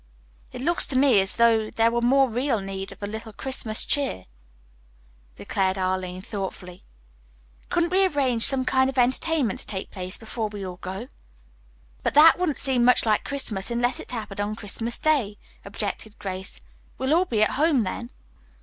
"It looks to me as though there were more real need of a little Christmas cheer," declared Arline thoughtfully. "Couldn't we arrange some kind of entertainment to take place before we all go?" "But that wouldn't seem much like Christmas unless it happened on Christmas Day," objected Grace. "We'll all be at home then."